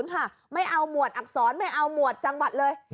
ค่ะไม่เอาหมวดอักษรไม่เอาหมวดจังหวัดเลย